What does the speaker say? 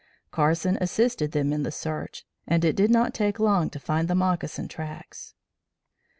Carson assisted them in the search, and it did not take long to find the moccasin tracks.